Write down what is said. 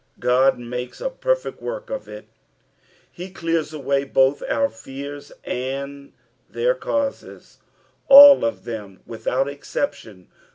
God makes a perfect work of it. He clears away both our fears and their causes, all of them without exception.